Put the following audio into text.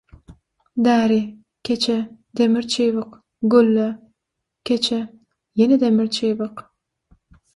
Däri, keçe, demir çybyk, gülle, keçe, ýene demir çybyk...